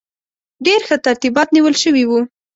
ډېر ښه ترتیبات نیول شوي وو.